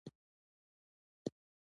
د بامیانو چک د زرګونه کلونو زیرمه ده